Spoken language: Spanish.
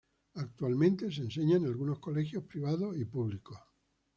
Actualmente se enseña en algunos colegios, privados y públicos.